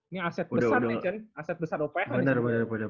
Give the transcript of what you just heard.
ini aset besar nih cun aset besar uph nih